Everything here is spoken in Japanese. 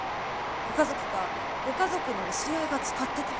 ご家族かご家族のお知り合いが使ってたりは？